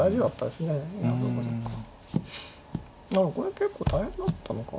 これ結構大変だったのか。